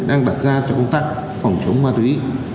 đang đặt ra cho công tác phòng chống ma túy